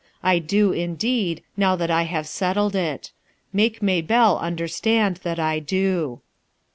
I do, indeed, low that I have settled it; make Maybelle understand that I do."